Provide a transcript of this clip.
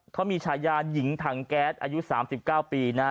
เขามีฉายานหญิงถังแก๊สอายุสามสิบเก้าปีนะฮะ